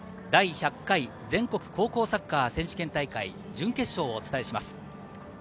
第１００回全国高校サッカー選手権大会準決勝をお伝えします。